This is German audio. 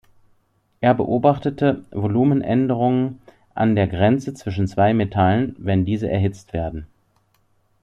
Er beobachtete Volumenänderungen an der Grenze zwischen zwei Metallen, wenn diese erhitzt werden.